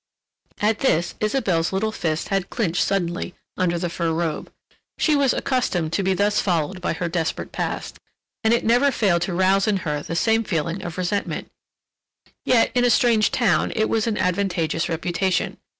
At this Isabelle's little fist had clinched suddenly under the fur robe. She was accustomed to be thus followed by her desperate past, and it never failed to rouse in her the same feeling of resentment; yet—in a strange town it was an advantageous reputation.